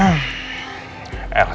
apa yang maksud kamu